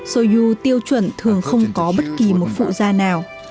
soju tiêu chuẩn thường không có bất kỳ một phụ gia nào